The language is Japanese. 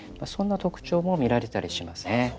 そんな特徴も見られたりしますね。